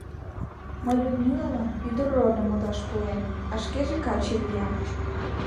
Мый Людмилалан ӱдыр рольым модаш пуэм, а шкеже каче лиям.